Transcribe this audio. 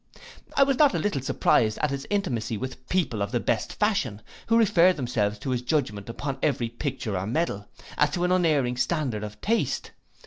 I was not a little surprised at his intimacy with people of the best fashion, who referred themselves to his judgment upon every picture or medal, as to an unerring standard of taste.